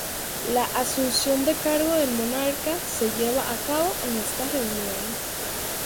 La asunción de cargo del monarca se lleva a cabo en esta reunión.